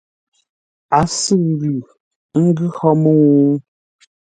A sʉʉ lʉ, ə́ ngʉ hó mə́u?